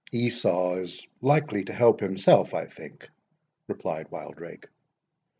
"Esau is likely to help himself, I think," replied Wildrake.